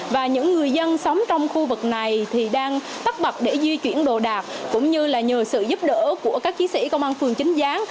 và những người dân sống trong khu vực này thì đang tắt bậc để di chuyển đồ đạc cũng như là nhờ sự giúp đỡ của các chiến sĩ công an phường chính gián